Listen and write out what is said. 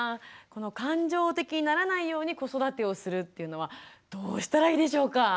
この感情的にならないように子育てをするっていうのはどうしたらいいでしょうか？